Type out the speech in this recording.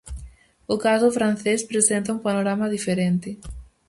O caso francés presenta un panorama diferente.